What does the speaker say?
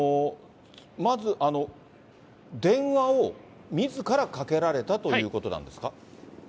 まず電話を、みずからかけられたということなんですか？